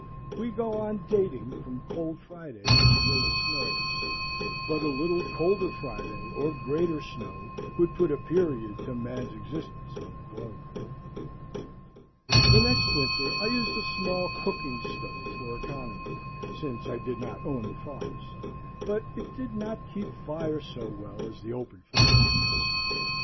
We go on dating from Cold Fridays and Great Snows; but a little colder Friday, or greater snow, would put a period to man's existence on the globe. The next winter I used a small cooking stove for economy, since I did not own the forest; but it did not keep fire so well as the open fire place.